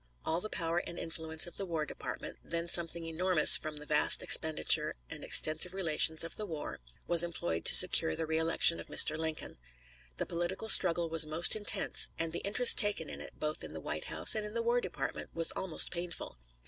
All the power and influence of the War Department, then something enormous from the vast expenditure and extensive relations of the war, was employed to secure the re election of Mr. Lincoln. The political struggle was most intense, and the interest taken in it, both in the White House and in the War Department, was almost painful.